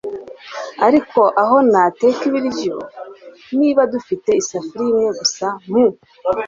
ariko aho nateka ibiryo niba dufite isafuriya imwe gusa? mu